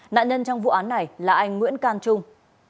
nạn nhân trong vụ án này là anh nguyễn can trung